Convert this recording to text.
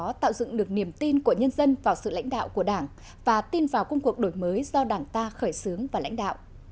đó tạo dựng được niềm tin của nhân dân vào sự lãnh đạo của đảng và tin vào công cuộc đổi mới do đảng ta khởi xướng và lãnh đạo